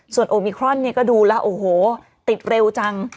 ส่วนโอมิครอนเนี่ยก็ดูแล้วโอ้โหติดเร็วจัง